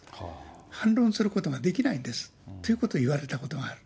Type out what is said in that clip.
反論することができないんですということを言われたことがある。